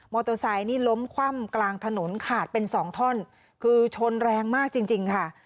มอโตซัยนี่ล้มคว่ำกลางถนนขาดเป็น๒ท่อนคือชนแรงมากจริงค่ะ